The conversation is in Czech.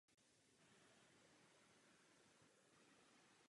Při hlavním průčelí z obou stran se nalézá přístavek schodiště.